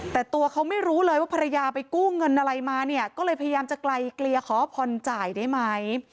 แต่ตัวเขาไม่รู้เลยว่าภรรยาไปกู้เงินอะไรมาเนี่ยก็เลยพยายามจะไกลเกลียขอผ่อนจ่ายได้ไหม